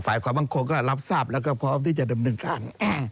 ความมั่นคงก็รับทราบแล้วก็พร้อมที่จะดำเนินการ